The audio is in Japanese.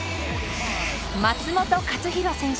松元克央選手。